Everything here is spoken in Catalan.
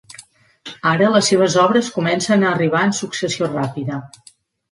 Ara, les seves obres comencen a arribar en successió ràpida.